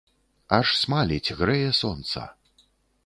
Аж смаліць, грэе сонца.